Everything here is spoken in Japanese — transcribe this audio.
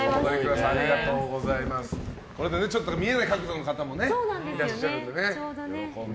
ちょっと見えない角度の方もいらっしゃるのでね。